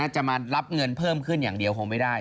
จะมารับเงินเพิ่มขึ้นอย่างเดียวคงไม่ได้